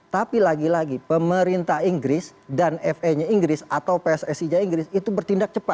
tapi lagi lagi pemerintah inggris dan fa nya inggris atau pssi nya inggris itu bertindak cepat